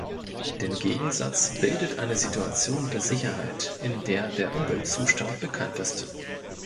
Den Gegensatz bildet eine Situation der Sicherheit, in der der Umweltzustand bekannt ist.